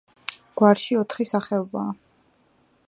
გვარში ოთხი სახეობაა.